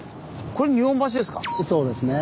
これ日本橋ですか？